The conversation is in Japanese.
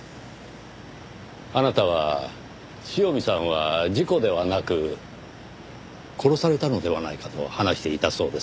あなたは「塩見さんは事故ではなく殺されたのではないか」と話していたそうですねぇ。